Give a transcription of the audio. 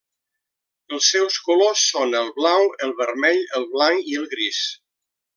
Els seus colors són el blau, el vermell, el blanc i el gris.